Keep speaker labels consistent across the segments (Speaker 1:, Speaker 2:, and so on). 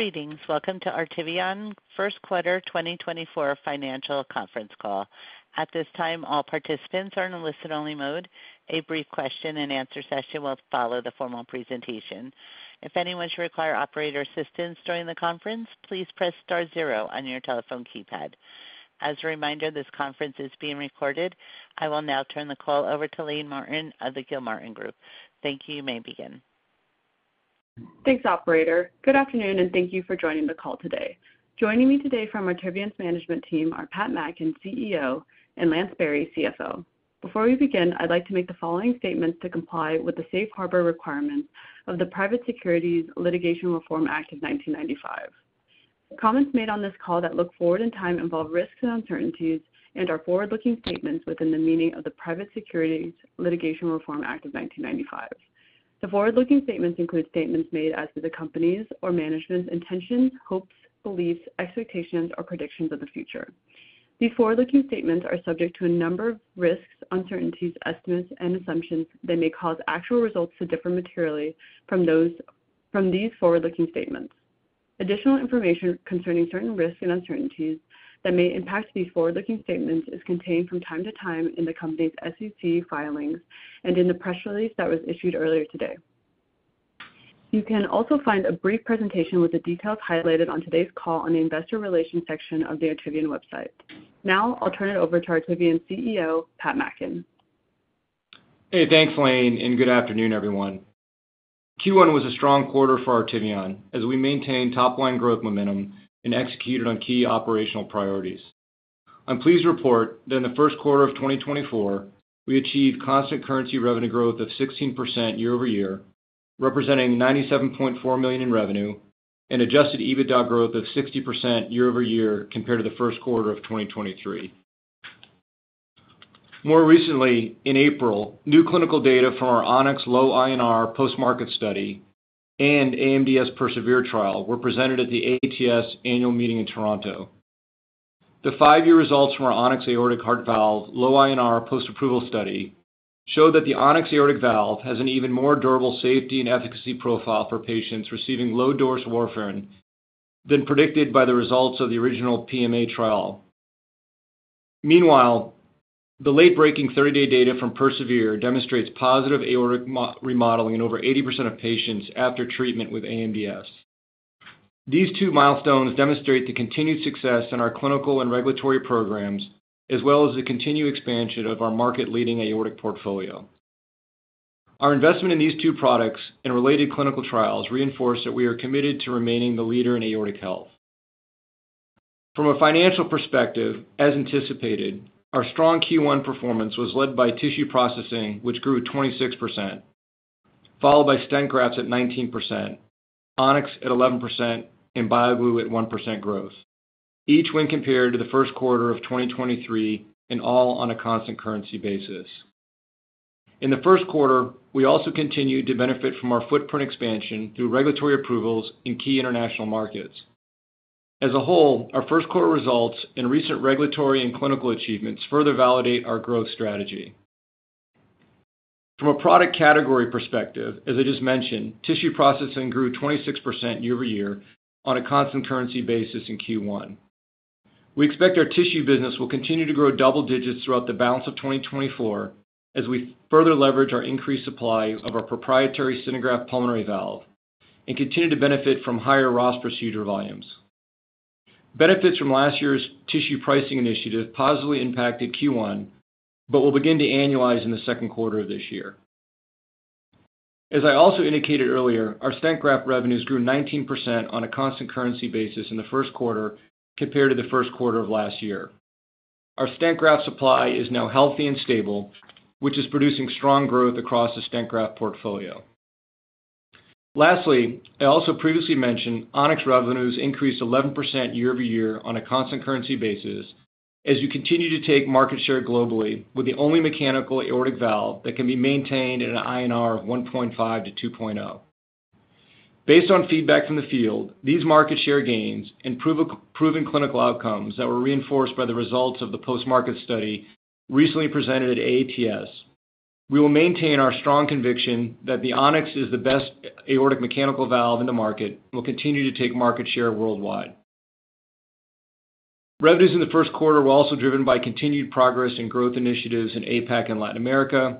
Speaker 1: Greetings. Welcome to Artivion first quarter 2024 financial conference call. At this time, all participants are in listen-only mode. A brief question-and-answer session will follow the formal presentation. If anyone should require operator assistance during the conference, please press star zero on your telephone keypad. As a reminder, this conference is being recorded. I will now turn the call over to Lane Martin of the Gilmartin Group. Thank you. You may begin.
Speaker 2: Thanks, operator. Good afternoon, and thank you for joining the call today. Joining me today from Artivion's management team are Pat Mackin, CEO, and Lance Berry, CFO. Before we begin, I'd like to make the following statement to comply with the Safe Harbor requirements of the Private Securities Litigation Reform Act of 1995. The comments made on this call that look forward in time involve risks and uncertainties and are forward-looking statements within the meaning of the Private Securities Litigation Reform Act of 1995. The forward-looking statements include statements made as to the company's or management's intentions, hopes, beliefs, expectations, or predictions of the future. These forward-looking statements are subject to a number of risks, uncertainties, estimates, and assumptions that may cause actual results to differ materially from those from these forward-looking statements. Additional information concerning certain risks and uncertainties that may impact these forward-looking statements is contained from time to time in the company's SEC filings and in the press release that was issued earlier today. You can also find a brief presentation with the details highlighted on today's call on the Investor Relations section of the Artivion website. Now I'll turn it over to Artivion's CEO, Pat Mackin.
Speaker 3: Hey, thanks, Lane, and good afternoon, everyone. Q1 was a strong quarter for Artivion as we maintained top-line growth momentum and executed on key operational priorities. I'm pleased to report that in the first quarter of 2024, we achieved constant currency revenue growth of 16% year over year, representing $97.4 million in revenue and adjusted EBITDA growth of 60% year over year compared to the first quarter of 2023. More recently, in April, new clinical data from our On-X Low INR post-market study and AMDS PERSEVERE trial were presented at the AATS annual meeting in Toronto. The five year results from our On-X Aortic Heart Valve Low INR post-approval study showed that the On-X Aortic Valve has an even more durable safety and efficacy profile for patients receiving low-dose warfarin than predicted by the results of the original PMA trial. Meanwhile, the late-breaking 30-day data from PERSEVERE demonstrates positive aortic remodeling in over 80% of patients after treatment with AMDS. These two milestones demonstrate the continued success in our clinical and regulatory programs, as well as the continued expansion of our market-leading aortic portfolio. Our investment in these two products and related clinical trials reinforce that we are committed to remaining the leader in aortic health. From a financial perspective, as anticipated, our strong Q1 performance was led by tissue processing, which grew 26%, followed by Stent Grafts at 19%, On-X at 11%, and BioGlue at 1% growth, each when compared to the first quarter of 2023, and all on a constant currency basis. In the first quarter, we also continued to benefit from our footprint expansion through regulatory approvals in key international markets. As a whole, our first quarter results and recent regulatory and clinical achievements further validate our growth strategy. From a product category perspective, as I just mentioned, tissue processing grew 26% year-over-year on a constant currency basis in Q1. We expect our tissue business will continue to grow double digits throughout the balance of 2024 as we further leverage our increased supply of our proprietary SynerGraft pulmonary valve and continue to benefit from higher Ross procedure volumes. Benefits from last year's tissue pricing initiative positively impacted Q1, but will begin to annualize in the second quarter of this year. As I also indicated earlier, our Stent Graft revenues grew 19% on a constant currency basis in the first quarter compared to the first quarter of last year. Our Stent Graft supply is now healthy and stable, which is producing strong growth across the stent graft portfolio. Lastly, I also previously mentioned On-X revenues increased 11% year-over-year on a constant currency basis as we continue to take market share globally with the only mechanical aortic valve that can be maintained at an INR of 1.5-2.0. Based on feedback from the field, these market share gains and proven clinical outcomes that were reinforced by the results of the post-market study recently presented at AATS, we will maintain our strong conviction that the On-X is the best aortic mechanical valve in the market and will continue to take market share worldwide. Revenues in the first quarter were also driven by continued progress in growth initiatives in APAC and Latin America,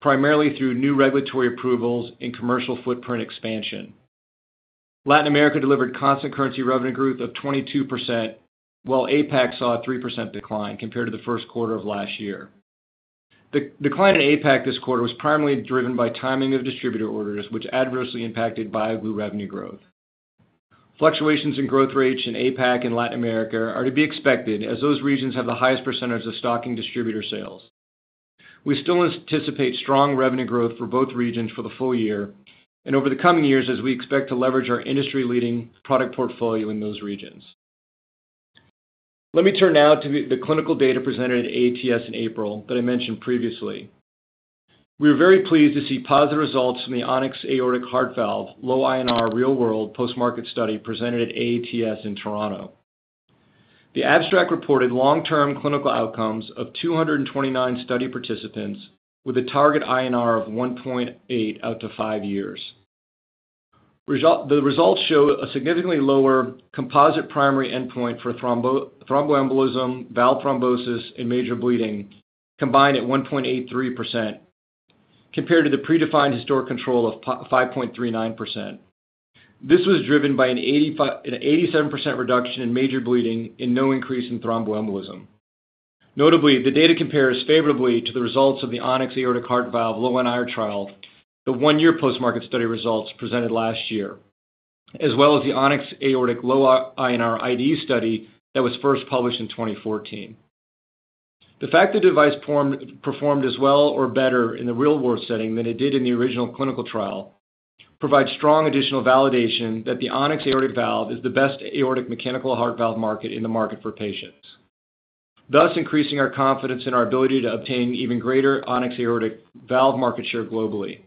Speaker 3: primarily through new regulatory approvals and commercial footprint expansion. Latin America delivered constant currency revenue growth of 22%, while APAC saw a 3% decline compared to the first quarter of last year. The decline in APAC this quarter was primarily driven by timing of distributor orders, which adversely impacted BioGlue revenue growth. Fluctuations in growth rates in APAC and Latin America are to be expected, as those regions have the highest percentages of stocking distributor sales. We still anticipate strong revenue growth for both regions for the full year and over the coming years, as we expect to leverage our industry-leading product portfolio in those regions. Let me turn now to the clinical data presented at AATS in April that I mentioned previously. We were very pleased to see positive results from the On-X Aortic Heart Valve low INR real-world post-market study presented at AATS in Toronto. The abstract reported long-term clinical outcomes of 229 study participants with a target INR of 1.8 out to five years. Results the results show a significantly lower composite primary endpoint for thromboembolism, valve thrombosis, and major bleeding, combined at 1.83%, compared to the predefined historic control of 5.39%. This was driven by an 87% reduction in major bleeding and no increase in thromboembolism. Notably, the data compares favorably to the results of the On-X aortic heart valve low INR trial, the one-year post-market study results presented last year, as well as the On-X aortic low INR IDE study that was first published in 2014. The fact the device performed as well or better in the real-world setting than it did in the original clinical trial, provides strong additional validation that the On-X Aortic Heart Valve is the best aortic mechanical heart valve on the market for patients, thus increasing our confidence in our ability to obtain even greater On-X Aortic Heart Valve market share globally.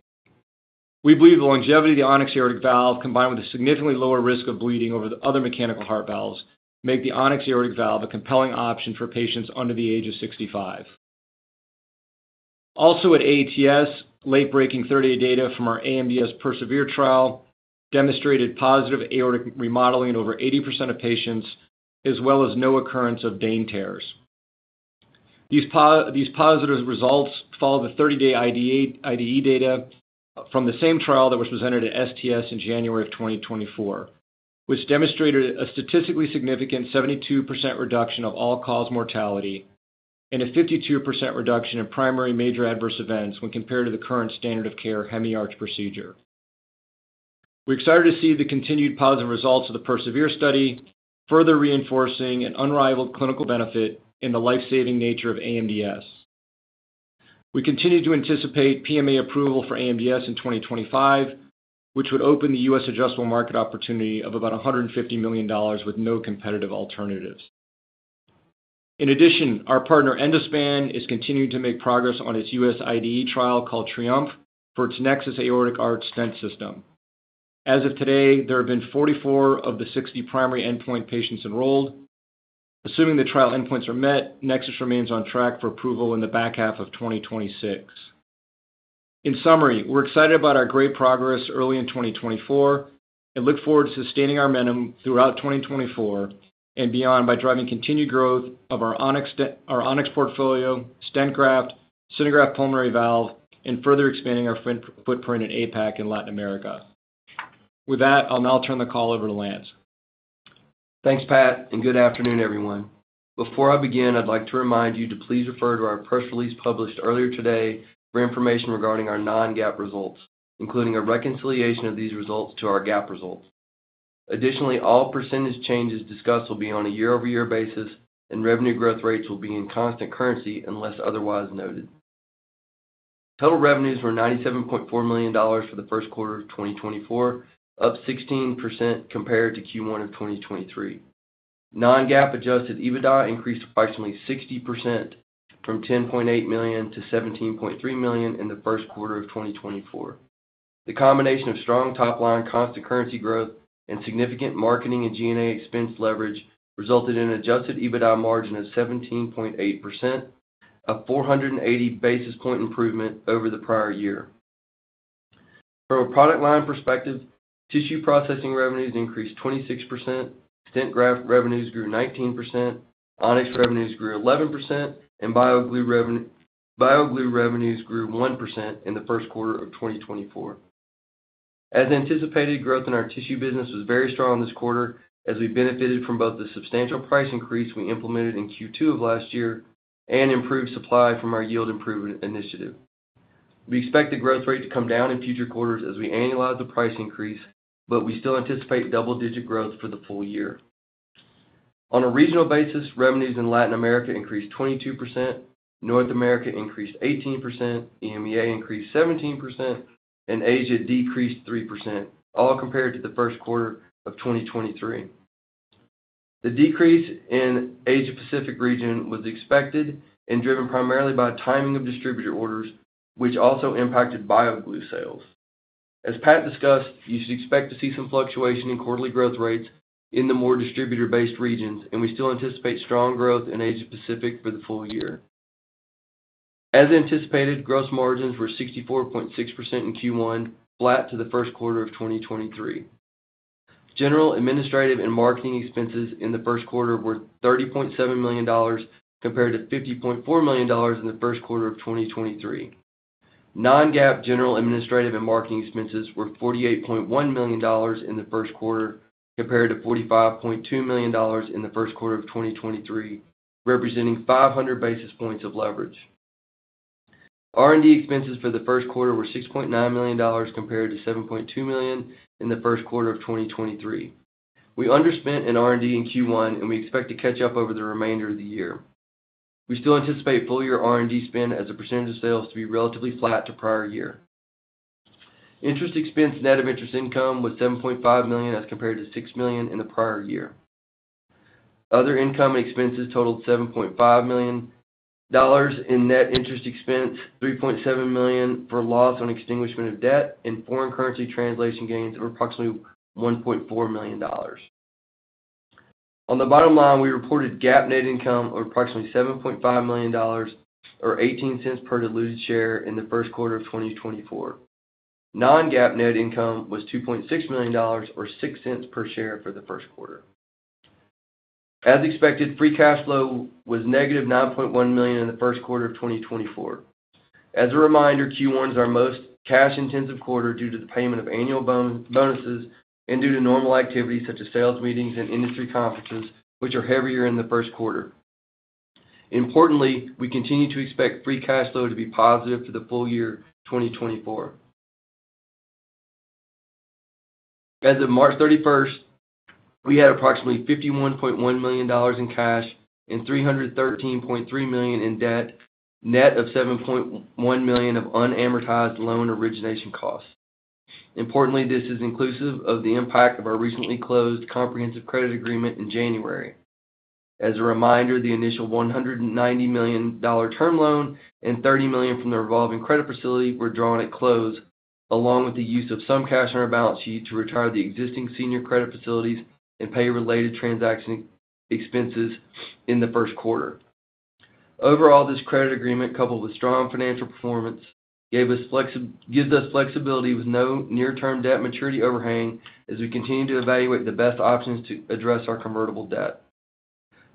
Speaker 3: We believe the longevity of the On-X Aortic Heart Valve, combined with a significantly lower risk of bleeding over the other mechanical heart valves, make the On-X Aortic Heart Valve a compelling option for patients under the age of 65. Also at AATS, late-breaking 30-day data from our AMDS PERSEVERE trial demonstrated positive aortic remodeling in over 80% of patients, as well as no occurrence of DANE tears. These positive results follow the thirty-day IDE data from the same trial that was presented at STS in January 2024, which demonstrated a statistically significant 72% reduction of all-cause mortality and a 52% reduction in primary major adverse events when compared to the current standard of care Hemi-Arch procedure. We're excited to see the continued positive results of the PERSEVERE study, further reinforcing an unrivaled clinical benefit in the life-saving nature of AMDS. We continue to anticipate PMA approval for AMDS in 2025, which would open the U.S. addressable market opportunity of about $150 million with no competitive alternatives. In addition, our partner, Endospan, is continuing to make progress on its U.S. IDE trial, called TRIOMPHE, for its NEXUS Aortic Arch Stent system. As of today, there have been 44 of the 60 primary endpoint patients enrolled. Assuming the trial endpoints are met, NEXUS remains on track for approval in the back half of 2026. In summary, we're excited about our great progress early in 2024, and look forward to sustaining our momentum throughout 2024 and beyond by driving continued growth of our On-X portfolio, stent graft, SynerGraft pulmonary valve, and further expanding our footprint in APAC and Latin America. With that, I'll now turn the call over to Lance.
Speaker 4: Thanks, Pat, and good afternoon, everyone. Before I begin, I'd like to remind you to please refer to our press release published earlier today for information regarding our non-GAAP results, including a reconciliation of these results to our GAAP results. Additionally, all percentage changes discussed will be on a year-over-year basis, and revenue growth rates will be in constant currency, unless otherwise noted. Total revenues were $97.4 million for the first quarter of 2024, up 16% compared to Q1 of 2023. Non-GAAP adjusted EBITDA increased approximately 60%, from $10.8 million-$17.3 million in the first quarter of 2024. The combination of strong top-line constant currency growth and significant marketing and G&A expense leverage resulted in an adjusted EBITDA margin of 17.8%, a 480 basis point improvement over the prior year. From a product line perspective, tissue processing revenues increased 26%, Stent Graft revenues grew 19%, On-X revenues grew 11%, and BioGlue revenues grew 1% in the first quarter of 2024. As anticipated, growth in our tissue business was very strong this quarter, as we benefited from both the substantial price increase we implemented in Q2 of last year and improved supply from our yield improvement initiative. We expect the growth rate to come down in future quarters as we annualize the price increase, but we still anticipate double-digit growth for the full year. On a regional basis, revenues in Latin America increased 22%, North America increased 18%, EMEA increased 17%, and Asia decreased 3%, all compared to the first quarter of 2023. The decrease in Asia Pacific region was expected and driven primarily by timing of distributor orders, which also impacted BioGlue sales. As Pat discussed, you should expect to see some fluctuation in quarterly growth rates in the more distributor-based regions, and we still anticipate strong growth in Asia Pacific for the full year. As anticipated, gross margins were 64.6% in Q1, flat to the first quarter of 2023. General, administrative, and marketing expenses in the first quarter were $30.7 million, compared to $50.4 million in the first quarter of 2023. Non-GAAP general, administrative, and marketing expenses were $48.1 million in the first quarter, compared to $45.2 million in the first quarter of 2023, representing 500 basis points of leverage. R&D expenses for the first quarter were $6.9 million, compared to $7.2 million in the first quarter of 2023. We underspent in R&D in Q1, and we expect to catch up over the remainder of the year. We still anticipate full year R&D spend as a percentage of sales to be relatively flat to prior year. Interest expense net of interest income was $7.5 million, as compared to $6 million in the prior year. Other income expenses totaled $7.5 million dollars in net interest expense, $3.7 million for loss on extinguishment of debt, and foreign currency translation gains of approximately $1.4 million. On the bottom line, we reported GAAP net income of approximately $7.5 million, or $0.18 per diluted share in the first quarter of 2024. Non-GAAP net income was $2.6 million, or $0.06 per share for the first quarter. As expected, free cash flow was -$9.1 million in the first quarter of 2024. As a reminder, Q1 is our most cash-intensive quarter due to the payment of annual bonuses and due to normal activities such as sales meetings and industry conferences, which are heavier in the first quarter. Importantly, we continue to expect free cash flow to be positive for the full year, 2024. As of March 31st, we had approximately $51.1 million in cash and $313.3 million in debt, net of $7.1 million of unamortized loan origination costs. Importantly, this is inclusive of the impact of our recently closed comprehensive credit agreement in January. As a reminder, the initial $190 million term loan and $30 million from the revolving credit facility were drawn at close, along with the use of some cash on our balance sheet to retire the existing senior credit facilities and pay related transaction expenses in the first quarter. Overall, this credit agreement, coupled with strong financial performance, gives us flexibility with no near-term debt maturity overhang as we continue to evaluate the best options to address our convertible debt.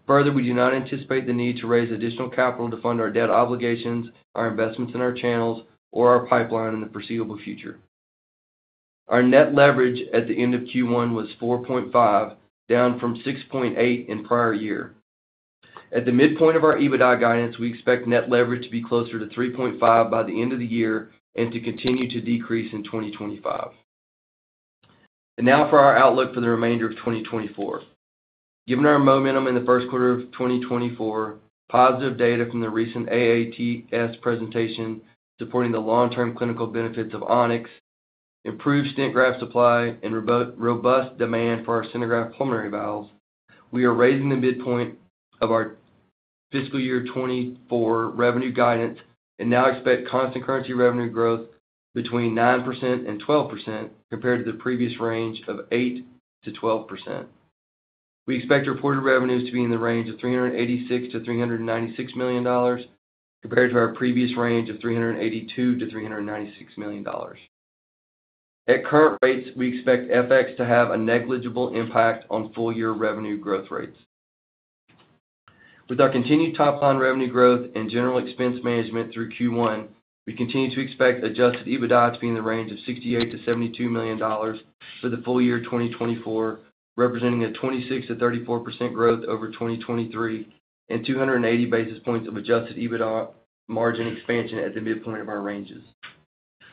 Speaker 4: Further, we do not anticipate the need to raise additional capital to fund our debt obligations, our investments in our channels, or our pipeline in the foreseeable future. Our net leverage at the end of Q1 was 4.5, down from 6.8 in prior year. At the midpoint of our EBITDA guidance, we expect net leverage to be closer to 3.5 by the end of the year and to continue to decrease in 2025. Now for our outlook for the remainder of 2024. Given our momentum in the first quarter of 2024, positive data from the recent AATS presentation supporting the long-term clinical benefits of On-X, improved stent graft supply, and robust demand for our SynerGraft pulmonary valves, we are raising the midpoint of our fiscal year 2024 revenue guidance and now expect constant currency revenue growth between 9% and 12% compared to the previous range of 8%-12%. We expect reported revenues to be in the range of $386 million-$396 million, compared to our previous range of $382 million-$396 million. At current rates, we expect FX to have a negligible impact on full-year revenue growth rates. With our continued top-line revenue growth and general expense management through Q1, we continue to expect Adjusted EBITDA to be in the range of $68 million-$72 million for the full year 2024, representing a 26%-34% growth over 2023 and 280 basis points of Adjusted EBITDA margin expansion at the midpoint of our ranges.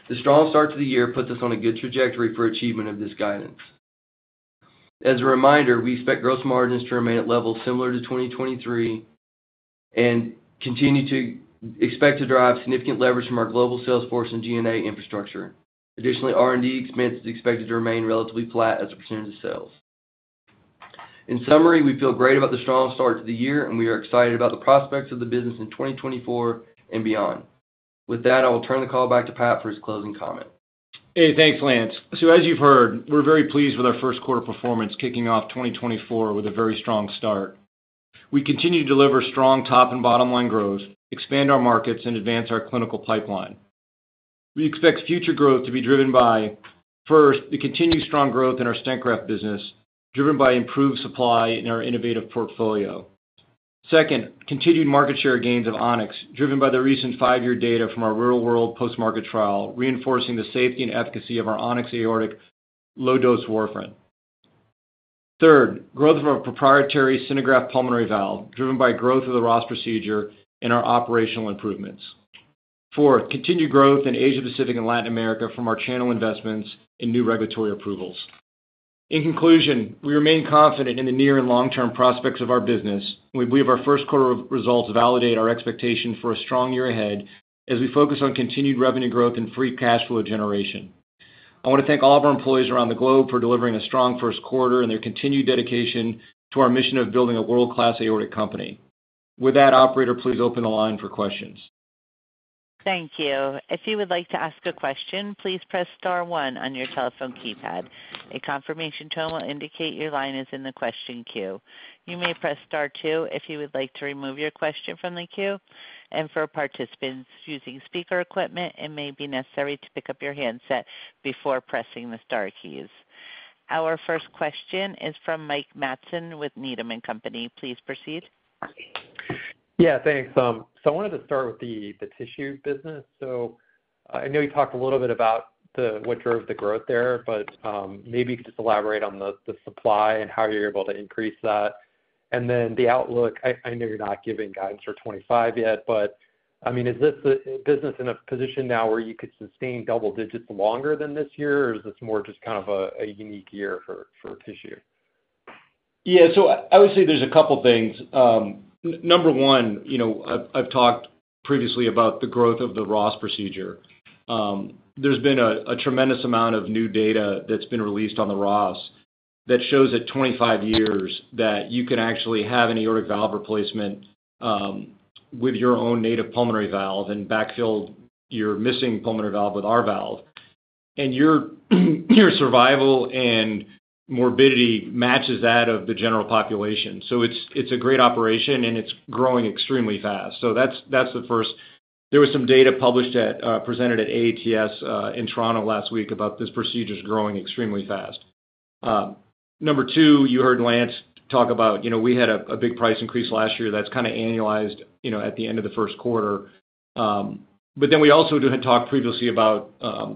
Speaker 4: The strong start to the year puts us on a good trajectory for achievement of this guidance. As a reminder, we expect gross margins to remain at levels similar to 2023 and continue to expect to drive significant leverage from our global sales force and G&A infrastructure. Additionally, R&D expense is expected to remain relatively flat as a percentage of sales. In summary, we feel great about the strong start to the year, and we are excited about the prospects of the business in 2024 and beyond. With that, I will turn the call back to Pat for his closing comment.
Speaker 3: Hey, thanks, Lance. So as you've heard, we're very pleased with our first quarter performance, kicking off 2024 with a very strong start. We continue to deliver strong top and bottom line growth, expand our markets, and advance our clinical pipeline. We expect future growth to be driven by, first, the continued strong growth in our Stent Graft business, driven by improved supply in our innovative portfolio. Second, continued market share gains of On-X, driven by the recent five year data from our real-world post-market trial, reinforcing the safety and efficacy of our On-X aortic low-dose warfarin. Third, growth of our proprietary SynerGraft pulmonary valve, driven by growth of the Ross procedure and our operational improvements. Four, continued growth in Asia Pacific and Latin America from our channel investments and new regulatory approvals. In conclusion, we remain confident in the near and long-term prospects of our business. We believe our first quarter results validate our expectation for a strong year ahead as we focus on continued revenue growth and free cash flow generation. I want to thank all of our employees around the globe for delivering a strong first quarter and their continued dedication to our mission of building a world-class aortic company. With that, operator, please open the line for questions.
Speaker 1: Thank you. If you would like to ask a question, please press star one on your telephone keypad. A confirmation tone will indicate your line is in the question queue. You may press star two if you would like to remove your question from the queue, and for participants using speaker equipment, it may be necessary to pick up your handset before pressing the star keys. Our first question is from Mike Matson with Needham & Company. Please proceed.
Speaker 5: Yeah, thanks. So I wanted to start with the Tissue business. So I know you talked a little bit about what drove the growth there, but maybe you could just elaborate on the supply and how you're able to increase that. And then the outlook, I know you're not giving guidance for 2025 yet, but I mean, is this the business in a position now where you could sustain double digits longer than this year, or is this more just kind of a unique year for tissue?
Speaker 3: Yeah, so I would say there's a couple things. Number one, you know, I've, I've talked previously about the growth of the Ross procedure. There's been a tremendous amount of new data that's been released on the Ross that shows at 25 years that you can actually have an aortic valve replacement, with your own native pulmonary valve and backfill your missing pulmonary valve with our valve. And your, your survival and morbidity matches that of the general population. So it's, it's a great operation, and it's growing extremely fast. So that's, that's the first. There was some data published at, presented at AATS, in Toronto last week about this procedure is growing extremely fast. Number two, you heard Lance talk about, you know, we had a big price increase last year that's kind of annualized, you know, at the end of the first quarter. But then we also do had talked previously about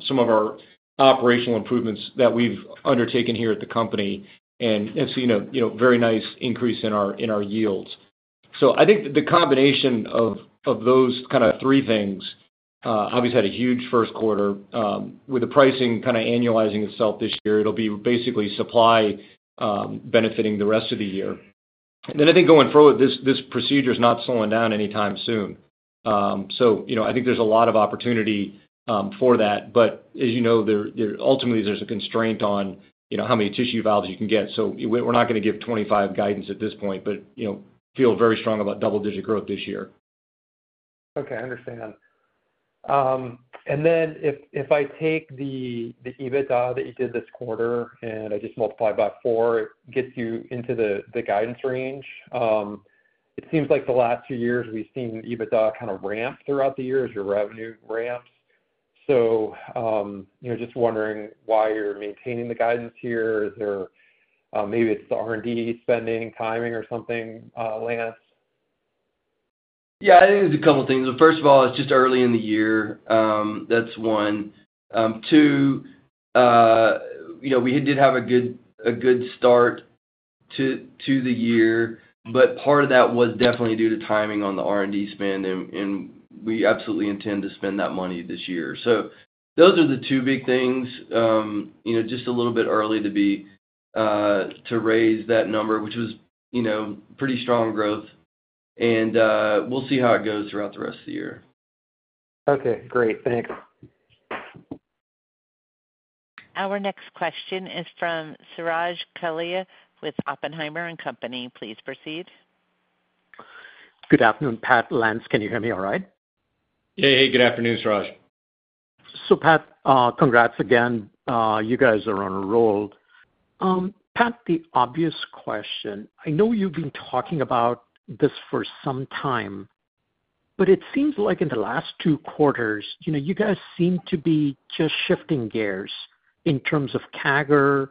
Speaker 3: some of our operational improvements that we've undertaken here at the company, and so, you know, very nice increase in our yields. So I think the combination of those kind of three things, obviously, had a huge first quarter with the pricing kind of annualizing itself this year. It'll be basically supply benefiting the rest of the year. Then I think going forward, this procedure is not slowing down anytime soon. So, you know, I think there's a lot of opportunity for that. But as you know, there ultimately, there's a constraint on, you know, how many tissue valves you can get. So we're not gonna give 2025 guidance at this point, but, you know, feel very strong about double-digit growth this year.
Speaker 5: Okay, I understand. And then if I take the EBITDA that you did this quarter and I just multiply by four, it gets you into the guidance range. It seems like the last two years we've seen EBITDA kind of ramp throughout the year as your revenue ramps. So, you know, just wondering why you're maintaining the guidance here. Is there maybe it's the R&D spending, timing, or something less?
Speaker 4: Yeah, I think there's a couple of things. First of all, it's just early in the year, that's one. Two, you know, we did have a good, a good start to, to the year, but part of that was definitely due to timing on the R&D spend, and, and we absolutely intend to spend that money this year. So those are the two big things. You know, just a little bit early to be to raise that number, which was, you know, pretty strong growth, and we'll see how it goes throughout the rest of the year.
Speaker 5: Okay, great. Thanks.
Speaker 1: Our next question is from Suraj Kalia with Oppenheimer & Co. Please proceed.
Speaker 6: Good afternoon, Pat, Lance, can you hear me all right?
Speaker 3: Yeah. Hey, good afternoon, Suraj.
Speaker 6: So, Pat, congrats again. You guys are on a roll. Pat, the obvious question, I know you've been talking about this for some time, but it seems like in the last two quarters, you know, you guys seem to be just shifting gears in terms of CAGR,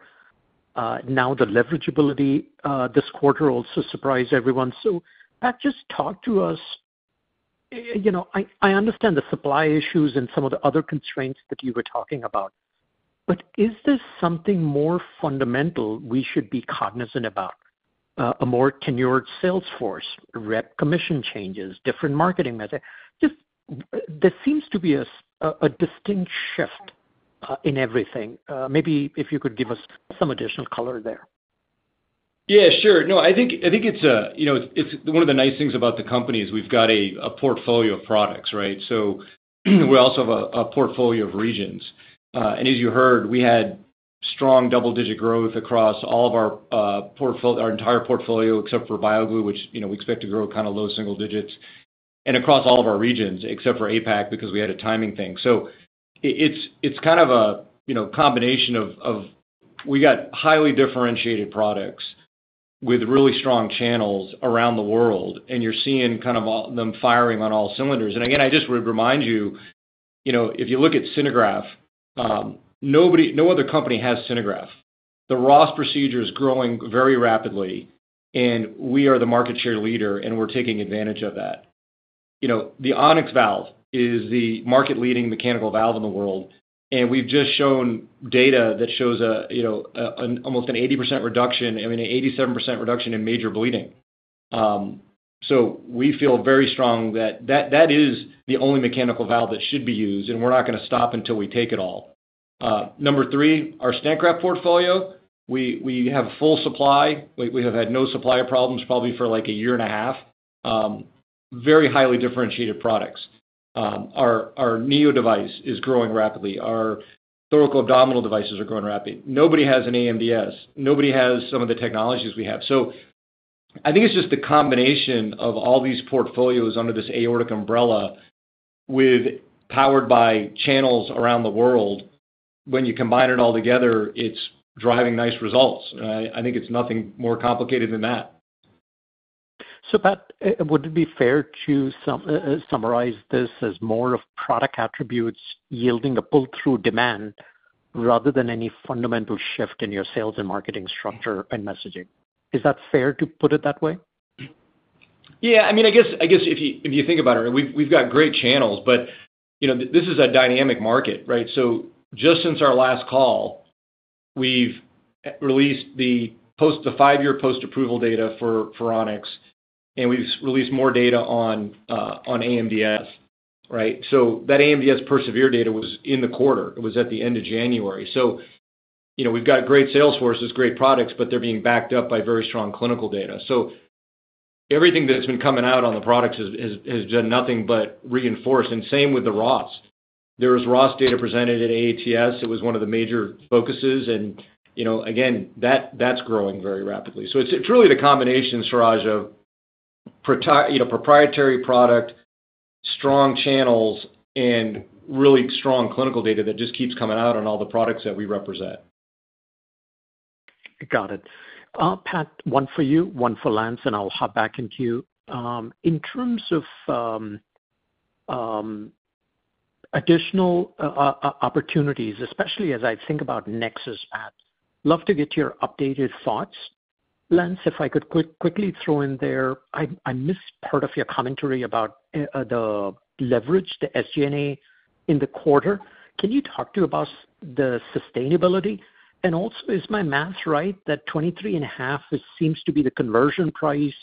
Speaker 6: now the leveragability, this quarter also surprised everyone. So, Pat, just talk to us. You know, I understand the supply issues and some of the other constraints that you were talking about, but is this something more fundamental we should be cognizant about? A more tenured sales force, rep commission changes, different marketing methods. Just, there seems to be a distinct shift in everything. Maybe if you could give us some additional color there.
Speaker 3: Yeah, sure. No, I think, I think it's, you know, it's one of the nice things about the company is we've got a, a portfolio of products, right? So we also have a, a portfolio of regions. And as you heard, we had strong double-digit growth across all of our, our entire portfolio, except for BioGlue, which, you know, we expect to grow kind of low single digits, and across all of our regions, except for APAC, because we had a timing thing. So it's, it's kind of a, you know, combination of, of we got highly differentiated products with really strong channels around the world, and you're seeing kind of them firing on all cylinders. And again, I just would remind you, you know, if you look at SynerGraft, nobody no other company has SynerGraft. The Ross procedure is growing very rapidly, and we are the market share leader, and we're taking advantage of that. You know, the On-X valve is the market-leading mechanical valve in the world, and we've just shown data that shows, you know, an almost 80% reduction, I mean, an 87% reduction in major bleeding. So we feel very strong that that is the only mechanical valve that should be used, and we're not gonna stop until we take it all. Number three, our stent graft portfolio. We have full supply. We have had no supplier problems, probably for, like, a year and a half. Very highly differentiated products. Our Neo device is growing rapidly. Our thoracoabdominal devices are growing rapidly. Nobody has an AMDS. Nobody has some of the technologies we have. So I think it's just the combination of all these portfolios under this aortic umbrella with powered by channels around the world. When you combine it all together, it's driving nice results. I think it's nothing more complicated than that.
Speaker 6: So, Pat, would it be fair to summarize this as more of product attributes yielding a pull-through demand rather than any fundamental shift in your sales and marketing structure and messaging? Is that fair to put it that way?
Speaker 3: Yeah, I mean, I guess, I guess if you, if you think about it, we've, we've got great channels, but, you know, this is a dynamic market, right? So just since our last call, we've released the five-year post-approval data for, for On-X, and we've released more data on, on AMDS, right? So that AMDS PERSEVERE data was in the quarter. It was at the end of January. So, you know, we've got great sales forces, great products, but they're being backed up by very strong clinical data. Everything that's been coming out on the products has, has, has done nothing but reinforce, and same with the Ross. There was Ross data presented at AATS. It was one of the major focuses, and, you know, again, that's growing very rapidly. So it's truly the combination, Suraj, of proprietary product, strong channels, and really strong clinical data that just keeps coming out on all the products that we represent.
Speaker 6: Got it. Pat, one for you, one for Lance, and I'll hop back into you. In terms of additional opportunities, especially as I think about NEXUS, Pat, love to get your updated thoughts. Lance, if I could quickly throw in there, I missed part of your commentary about the leverage, the SG&A in the quarter. Can you talk about the sustainability? And also, is my math right, that $23.5 seems to be the conversion price?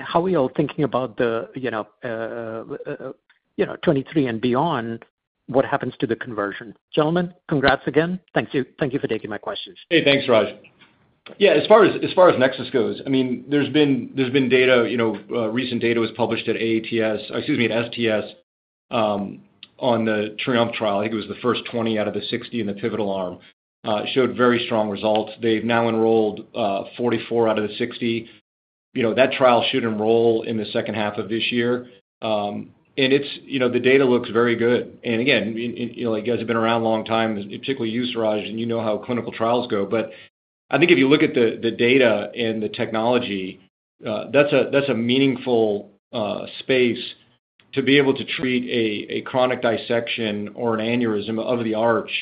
Speaker 6: How are we all thinking about the, you know, 2023 and beyond, what happens to the conversion? Gentlemen, congrats again. Thank you. Thank you for taking my questions.
Speaker 3: Hey, thanks, Suraj. Yeah, as far as Nexus goes, I mean, there's been data, you know, recent data was published at AATS, excuse me, at STS, on the TRIOMPHE trial. I think it was the first 20 out of the 60 in the pivotal arm showed very strong results. They've now enrolled 44 out of the 60. You know, that trial should enroll in the second half of this year. And it's, you know, the data looks very good. And again, I mean, and, you know, you guys have been around a long time, particularly you, Suraj, and you know how clinical trials go. But I think if you look at the data and the technology, that's a meaningful space to be able to treat a chronic dissection or an aneurysm of the arch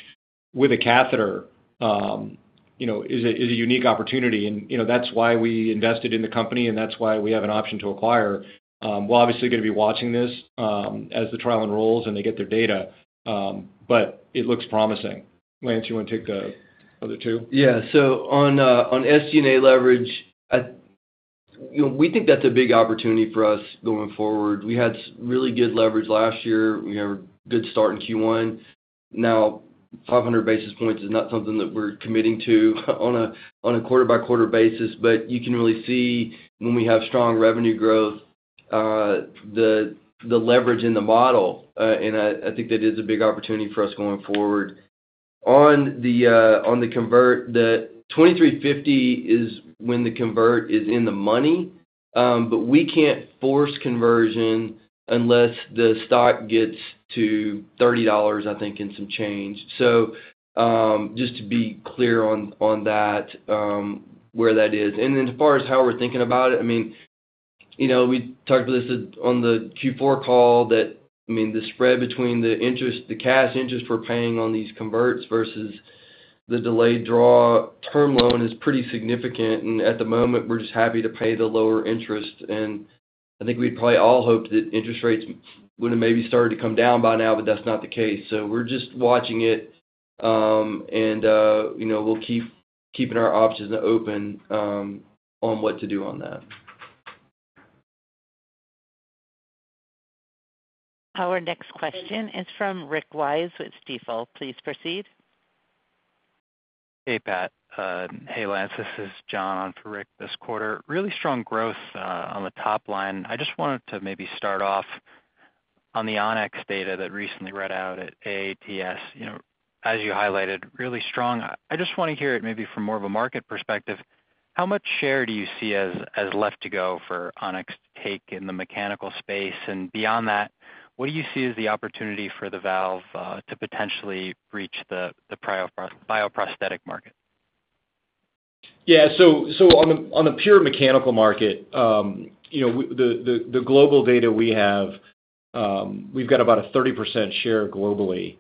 Speaker 3: with a catheter, you know, is a unique opportunity. And, you know, that's why we invested in the company, and that's why we have an option to acquire. We're obviously going to be watching this, as the trial enrolls and they get their data, but it looks promising. Lance, you want to take the other two?
Speaker 4: Yeah. So on SG&A leverage, you know, we think that's a big opportunity for us going forward. We had really good leverage last year. We have a good start in Q1. Now, 500 basis points is not something that we're committing to on a quarter-by-quarter basis, but you can really see when we have strong revenue growth, the leverage in the model. And I think that is a big opportunity for us going forward. On the convert, the $23.50 is when the convert is in the money, but we can't force conversion unless the stock gets to $30, I think, and some change. So, just to be clear on that, where that is. And then as far as how we're thinking about it, I mean, you know, we talked about this on the Q4 call, that, I mean, the spread between the interest, the cash interest we're paying on these converts versus the delayed draw term loan is pretty significant. And at the moment, we're just happy to pay the lower interest. And I think we'd probably all hope that interest rates would have maybe started to come down by now, but that's not the case. So we're just watching it, and, you know, we'll keep keeping our options open, on what to do on that.
Speaker 1: Our next question is from Rick Wise with Stifel. Please proceed.
Speaker 7: Hey, Pat. Hey, Lance. This is John on for Rick this quarter. Really strong growth on the top line. I just wanted to maybe start off on the On-X data that recently read out at AATS. You know, as you highlighted, really strong. I just want to hear it maybe from more of a market perspective, how much share do you see as left to go for On-X to take in the mechanical space? And beyond that, what do you see as the opportunity for the valve to potentially reach the bioprosthetic market?
Speaker 3: Yeah, so on the pure mechanical market, you know, the global data we have, we've got about a 30% share globally.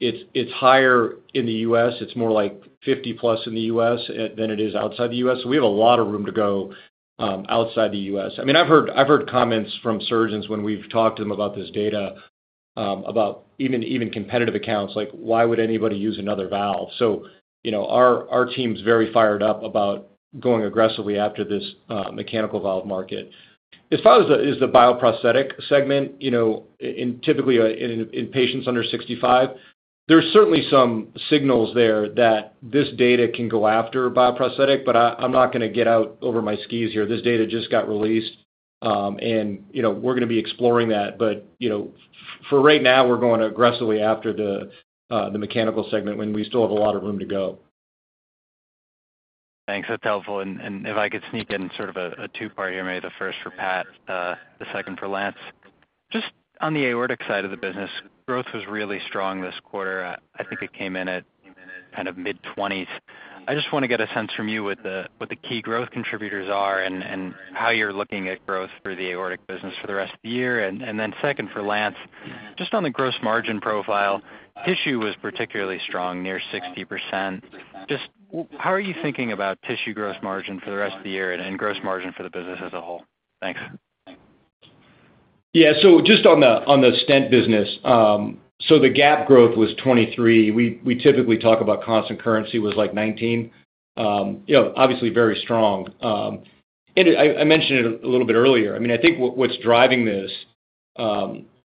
Speaker 3: It's higher in the U.S. It's more like 50+ in the U.S. than it is outside the U.S. So we have a lot of room to go outside the U.S. I mean, I've heard comments from surgeons when we've talked to them about this data, about even competitive accounts, like, why would anybody use another valve? So, you know, our team's very fired up about going aggressively after this mechanical valve market. As far as the bioprosthetic segment, you know, in typically in patients under 65, there's certainly some signals there that this data can go after bioprosthetic, but I'm not going to get out over my skis here. This data just got released, and, you know, we're going to be exploring that. But, you know, for right now, we're going aggressively after the mechanical segment, when we still have a lot of room to go.
Speaker 7: Thanks, that's helpful. And if I could sneak in sort of a two-parter here, maybe the first for Pat, the second for Lance. Just on the aortic side of the business, growth was really strong this quarter. I think it came in at kind of mid-20s. I just want to get a sense from you what the key growth contributors are and how you're looking at growth for the aortic business for the rest of the year. And then second for Lance, just on the gross margin profile, tissue was particularly strong, near 60%. Just how are you thinking about tissue gross margin for the rest of the year and gross margin for the business as a whole? Thanks.
Speaker 3: Yeah. So just on the stent business, so the GAAP growth was 23%. We typically talk about constant currency was like 19%. You know, obviously very strong. And I mentioned it a little bit earlier. I mean, I think what's driving this,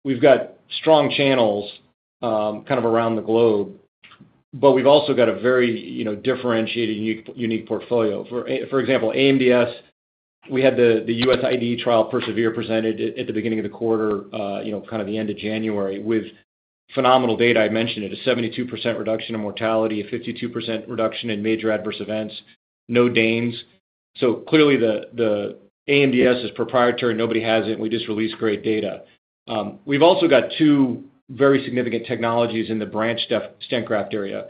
Speaker 3: we've got strong channels kind of around the globe. But we've also got a very, you know, differentiating unique portfolio. For example, AMDS, we had the U.S. IDE trial PERSEVERE presented at the beginning of the quarter, you know, kind of the end of January, with phenomenal data. I mentioned it, a 72% reduction in mortality, a 52% reduction in major adverse events, no DANE tears. So clearly, the AMDS is proprietary, and nobody has it, and we just released great data. We've also got two very significant technologies in the branched Stent Graft area.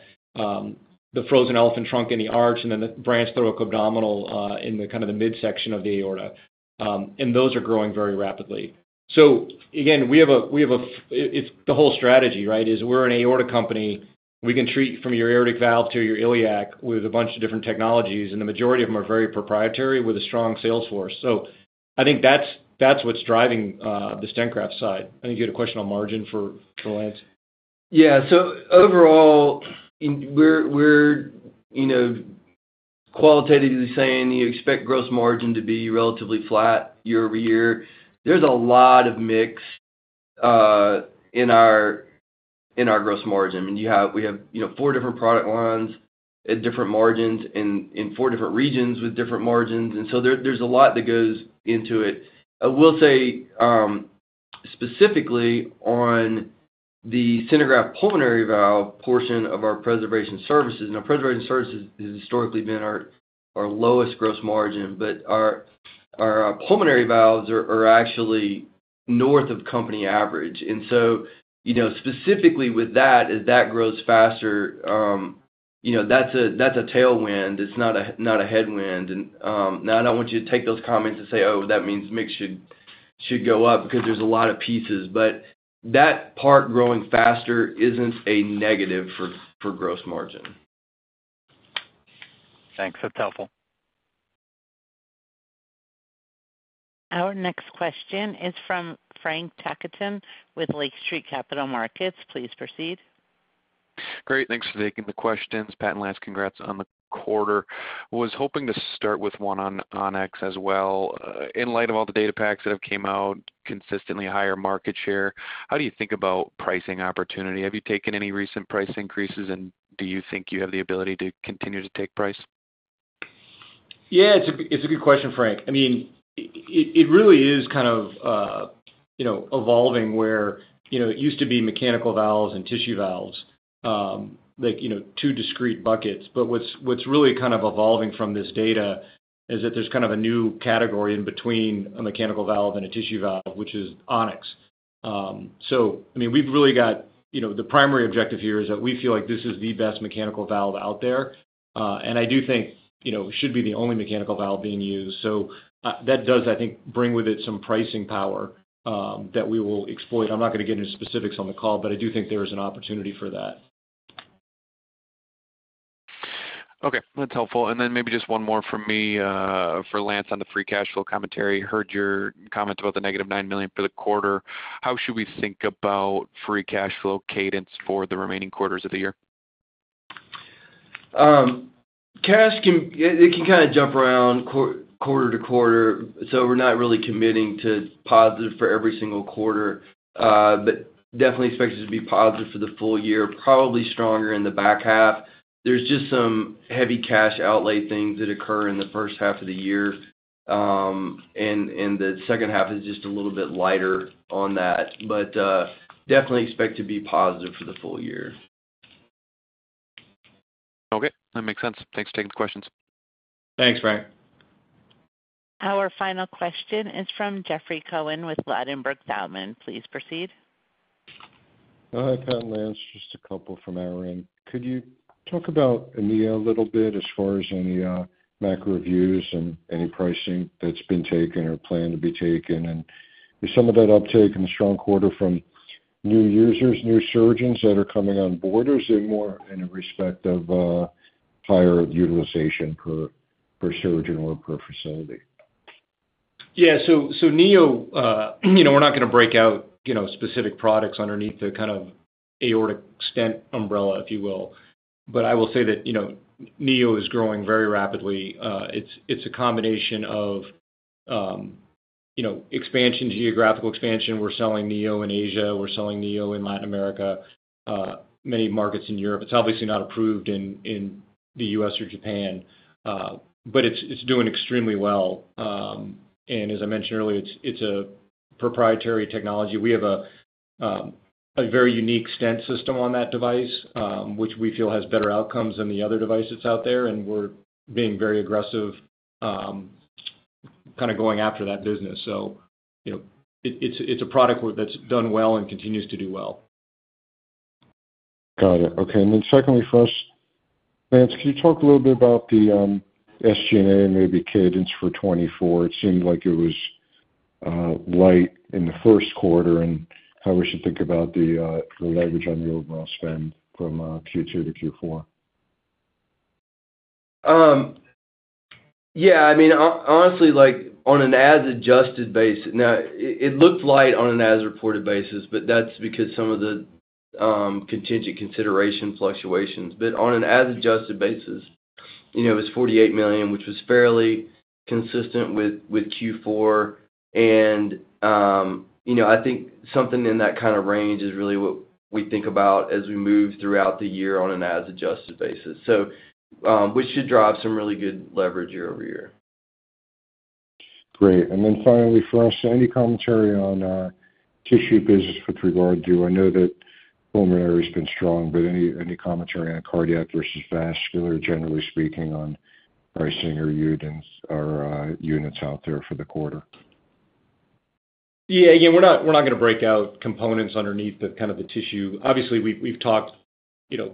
Speaker 3: The frozen elephant trunk in the arch, and then the branch thoraciabdominal, in the kind of the midsection of the aorta. And those are growing very rapidly. So again, it's the whole strategy, right? Is we're an aorta company. We can treat you from your aortic valve to your iliac with a bunch of different technologies, and the majority of them are very proprietary with a strong sales force. So I think that's, that's what's driving, the stent graft side. I think you had a question on margin for Lance?
Speaker 4: Yeah. So overall, we're, you know, qualitatively saying you expect gross margin to be relatively flat year-over-year. There's a lot of mix in our gross margin. I mean, we have, you know, four different product lines at different margins and in four different regions with different margins, and so there's a lot that goes into it. I will say, specifically on the SynerGraft pulmonary valve portion of our preservation services. Now, preservation services has historically been our lowest gross margin, but our pulmonary valves are actually north of company average. And so, you know, specifically with that, as that grows faster, you know, that's a tailwind, it's not a headwind. Now I don't want you to take those comments and say, Oh, that means mix should go up, because there's a lot of pieces. But that part growing faster isn't a negative for gross margin.
Speaker 5: Thanks. That's helpful.
Speaker 1: Our next question is from Frank Takkinen with Lake Street Capital Markets. Please proceed.
Speaker 8: Great. Thanks for taking the questions. Pat and Lance, congrats on the quarter. Was hoping to start with one on On-X as well. In light of all the data packs that have came out, consistently higher market share, how do you think about pricing opportunity? Have you taken any recent price increases, and do you think you have the ability to continue to take price?
Speaker 3: Yeah, it's a good question, Frank. I mean, it really is kind of, you know, evolving where, you know, it used to be mechanical valves and tissue valves, like, you know, two discrete buckets. But what's really kind of evolving from this data is that there's kind of a new category in between a mechanical valve and a tissue valve, which is On-X. So, I mean, we've really got... You know, the primary objective here is that we feel like this is the best mechanical valve out there. And I do think, you know, it should be the only mechanical valve being used. So, that does, I think, bring with it some pricing power, that we will exploit. I'm not gonna get into specifics on the call, but I do think there is an opportunity for that.
Speaker 8: Okay, that's helpful. And then maybe just one more from me, for Lance on the free cash flow commentary. Heard your comments about the -$9 million for the quarter. How should we think about free cash flow cadence for the remaining quarters of the year?
Speaker 4: Cash can kinda jump around quarter to quarter, so we're not really committing to positive for every single quarter. But definitely expect it to be positive for the full year, probably stronger in the back half. There's just some heavy cash outlay things that occur in the first half of the year, and the second half is just a little bit lighter on that. But definitely expect to be positive for the full year.
Speaker 8: Okay, that makes sense. Thanks for taking the questions.
Speaker 3: Thanks, Frank.
Speaker 1: Our final question is from Jeffrey Cohen with Ladenburg Thalmann. Please proceed.
Speaker 9: Hi, Pat and Lance. Just a couple from our end. Could you talk about Neo a little bit as far as any macro reviews and any pricing that's been taken or planned to be taken? And is some of that uptake in the strong quarter from new users, new surgeons that are coming on board, or is it more in respect of higher utilization per surgeon or per facility?
Speaker 3: Yeah, so Neo, you know, we're not gonna break out, you know, specific products underneath the kind of aortic stent umbrella, if you will. But I will say that, you know, Neo is growing very rapidly. It's a combination of, you know, expansion, geographical expansion. We're selling Neo in Asia, we're selling Neo in Latin America, many markets in Europe. It's obviously not approved in the U.S. or Japan, but it's doing extremely well. And as I mentioned earlier, it's a proprietary technology. We have a very unique stent system on that device, which we feel has better outcomes than the other devices out there, and we're being very aggressive, kind of going after that business. So, you know, it's a product that's done well and continues to do well.
Speaker 9: Got it. Okay, and then secondly for us, Lance, can you talk a little bit about the SG&A and maybe cadence for 2024? It seemed like it was light in the first quarter, and how we should think about the leverage on your gross spend from Q2 to Q4.
Speaker 4: Yeah, I mean, honestly, like, on an as-adjusted basis. Now, it looked light on an as-reported basis, but that's because some of the contingent consideration fluctuations. But on an as-adjusted basis, you know, it was $48 million, which was fairly consistent with Q4. And, you know, I think something in that kind of range is really what we think about as we move throughout the year on an as-adjusted basis. So, we should drive some really good leverage year-over-year.
Speaker 9: Great. Finally, for us, any commentary on Tissue business with regard to... I know that pulmonary has been strong, but any commentary on cardiac versus vascular, generally speaking, on pricing or units out there for the quarter?
Speaker 3: Yeah, again, we're not, we're not gonna break out components underneath the, kind of the tissue. Obviously, we've, we've talked, you know,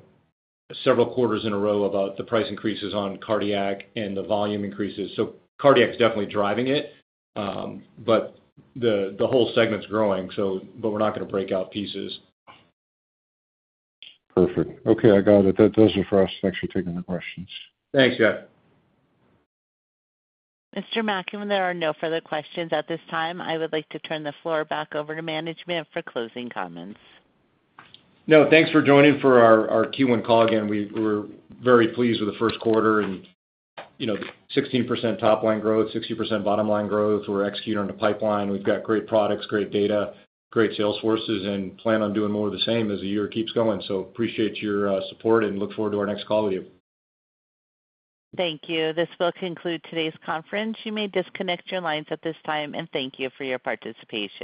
Speaker 3: several quarters in a row about the price increases on cardiac and the volume increases. So cardiac's definitely driving it, but the, the whole segment's growing, so, but we're not gonna break out pieces.
Speaker 9: Perfect. Okay, I got it. That does it for us. Thanks for taking the questions.
Speaker 3: Thanks, Jeff.
Speaker 1: Mr. Mackin, there are no further questions at this time. I would like to turn the floor back over to management for closing comments.
Speaker 3: No, thanks for joining for our Q1 call. Again, we're very pleased with the first quarter and, you know, 16% top line growth, 60% bottom line growth. We're executing on the pipeline. We've got great products, great data, great sales forces, and plan on doing more of the same as the year keeps going. So appreciate your support and look forward to our next call with you.
Speaker 1: Thank you. This will conclude today's conference. You may disconnect your lines at this time, and thank you for your participation.